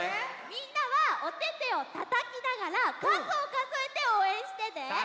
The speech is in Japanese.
みんなはおててをたたきながらかずをかぞえておうえんしてね。